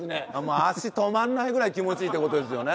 足止まんないぐらい気持ちいいって事ですよね。